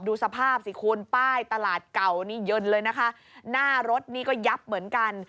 ดูสภาพสิคุณป้ายตลาดเก่านี่เย็นเลยนะคะหน้ารถนี่ก็ยับเหมือนกัน